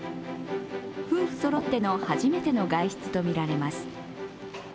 夫婦そろっての初めての外出とみられます。